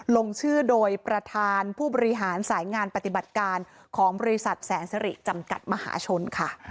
ลงชื่อโดยประธานผู้บริหารสายงานปฏิบัติการของบริษัทแสนสริจำกัดมหาชนค่ะ